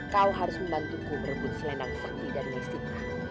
kau harus membantuku merebut selenang sakti dari nyai sinta